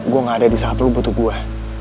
gue gak ada disaat lo butuh gue